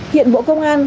hiện bộ công an